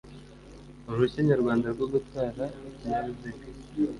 uruhushya nyarwanda rwo gutwara ikinyabiziga